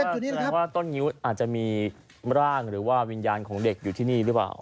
แสดงว่าต้นงิ้วอาจจะมีร่างหรือว่าวิญญาณของเด็กอยู่ที่นี่หรือเปล่า